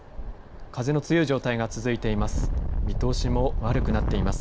風の強い状態が続いています。